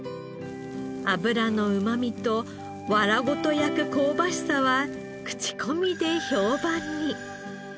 脂のうまみと藁ごと焼く香ばしさは口コミで評判に。